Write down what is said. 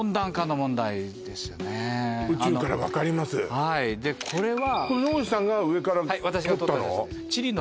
はいでこれは野口さんが上から撮ったの？